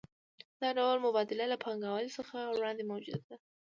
دا ډول مبادله له پانګوالۍ څخه وړاندې موجوده وه